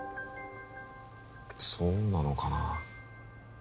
そうなのかな